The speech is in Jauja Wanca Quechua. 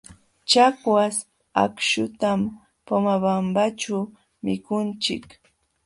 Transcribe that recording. Chakwaśh akśhutam Pomabambaćhu mikunchik.